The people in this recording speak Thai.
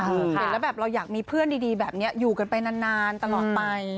เห็นแล้วแบบเราอยากมีเพื่อนดีแบบนี้อยู่กันไปนานตลอดไป